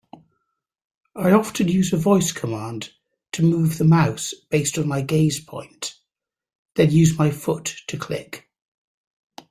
I often use a voice command to move the mouse based on my gaze point, then use my foot to click.